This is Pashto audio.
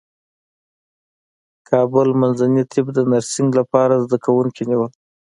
کابل منځني طب د نرسنګ لپاره زدکوونکي نیول